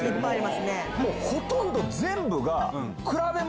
ほとんど全部が。